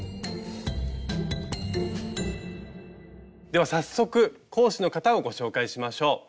では早速講師の方をご紹介しましょう。